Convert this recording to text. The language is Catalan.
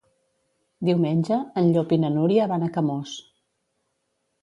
Diumenge en Llop i na Núria van a Camós.